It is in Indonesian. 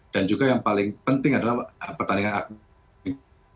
dan juga yang paling penting adalah pertandingan akuntas